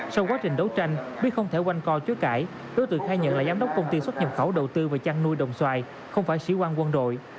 sau quá trình đấu tranh biết không thể quanh co chối cãi đối tượng khai nhận là giám đốc công ty xuất nhập khẩu đầu tư và chăn nuôi đồng xoài không phải sĩ quan quân đội